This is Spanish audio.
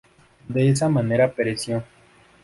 De esa manera pereció.